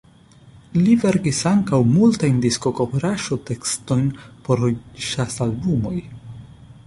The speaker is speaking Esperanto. Li verkis ankaŭ multajn diskokovraĵo-tekstojn por ĵaz-albumoj.